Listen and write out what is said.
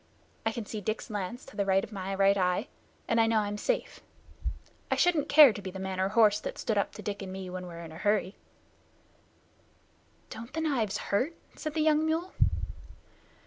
I can see Dick's lance to the right of my right eye, and I know I'm safe. I shouldn't care to be the man or horse that stood up to Dick and me when we're in a hurry." "Don't the knives hurt?" said the young mule.